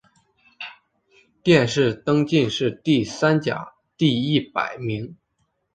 殿试登进士第三甲第一百名。